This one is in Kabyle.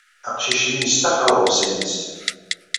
Aqcic-nni yestaxer aḍebsi-nnes.